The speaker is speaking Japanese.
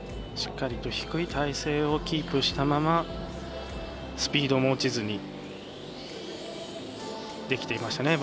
しっかりと低い体勢をキープしたままスピードも落ちずにできていました。